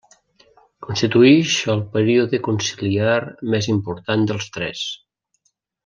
Constituïx el període conciliar més important dels tres.